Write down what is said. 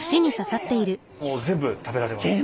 もう全部食べられます。